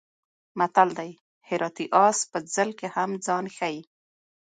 متل دی: هراتی اس په ځل کې هم ځان ښي.